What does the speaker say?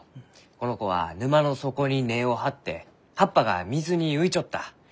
この子は沼の底に根を張って葉っぱが水に浮いちょった。